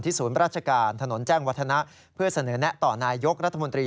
ศูนย์ราชการถนนแจ้งวัฒนะเพื่อเสนอแนะต่อนายยกรัฐมนตรี